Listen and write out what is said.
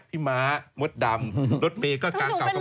พี่ม้ามดดำรถเบย์ก็กลางเก่ากับใหม่